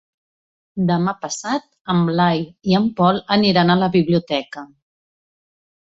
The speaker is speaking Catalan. Demà passat en Blai i en Pol aniran a la biblioteca.